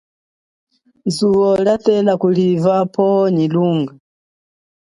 Zuwo lia tela kuliva pwowo nyi lunga.